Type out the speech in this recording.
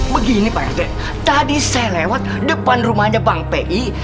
begini pak sd tadi saya lewat depan rumahnya bang pi